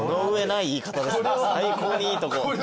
最高にいいとこ。